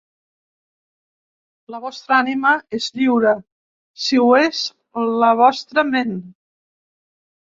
La vostra ànima és lliure si ho és la vostra ment.